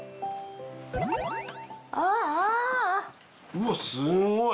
うわっすごい！